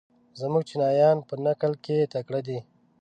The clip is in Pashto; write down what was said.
زموږ چینایان په نقل کې تکړه دي.